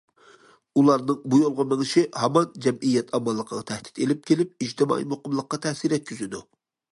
ئۇلارنىڭ بۇ يولغا مېڭىشى ھامان جەمئىيەت ئامانلىقىغا تەھدىت ئېلىپ كېلىپ، ئىجتىمائىي مۇقىملىققا تەسىر يەتكۈزىدۇ.